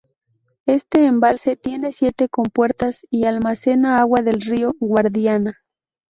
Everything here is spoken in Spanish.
Este embalse tiene siete compuertas y almacena agua del río Guadiana.